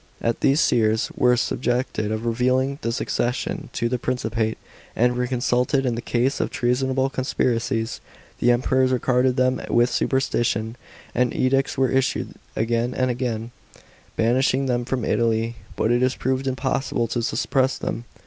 As these seers were susj ected of revealing the succession to the Principate, and were consulted in the case of treasonable conspiracies, the Emperors regarded them with suspicion, and edicts were issued again and again, banishing them from Italy, but it proved impossible to suppress them.